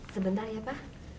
sebentar ya pa